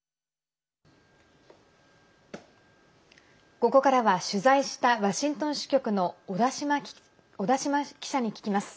ここからは取材したワシントン支局の小田島記者に聞きます。